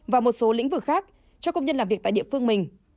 và một số lĩnh vực khác cho công nhân làm việc tại địa phương mình